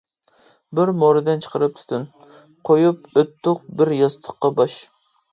بىر مورىدىن چىقىرىپ تۈتۈن، قويۇپ ئۆتتۇق بىر ياستۇققا باش.